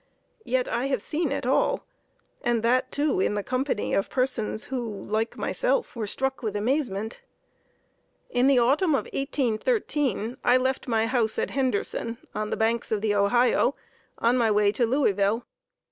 Yet I have seen it all, and that, too, in the company of persons who, like myself, were struck with amazement. In the autumn of 1813, I left my house at Henderson, on the banks of the Ohio, on my way to Louisville.